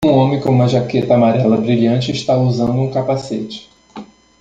Um homem com uma jaqueta amarela brilhante está usando um capacete.